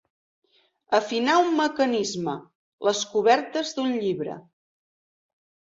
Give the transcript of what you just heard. Afinar un mecanisme, les cobertes d'un llibre.